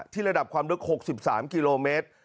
ระดับความลึก๖๓กิโลเมตร